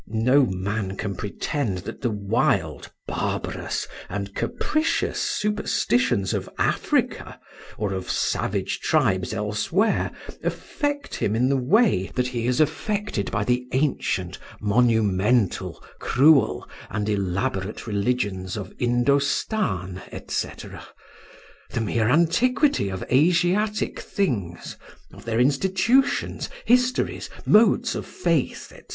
No man can pretend that the wild, barbarous, and capricious superstitions of Africa, or of savage tribes elsewhere, affect him in the way that he is affected by the ancient, monumental, cruel, and elaborate religions of Indostan, &c. The mere antiquity of Asiatic things, of their institutions, histories, modes of faith, &c.